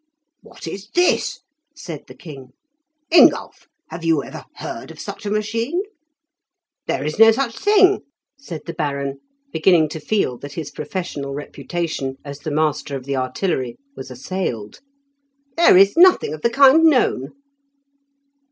"What is this?" said the king. "Ingulph, have you ever heard of such a machine?" "There is no such thing," said the Baron, beginning to feel that his professional reputation as the master of the artillery was assailed. "There is nothing of the kind known."